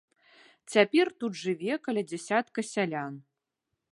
Цяпер тут жыве каля дзясятка сялян.